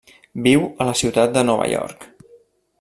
Viu a la ciutat de Nova York.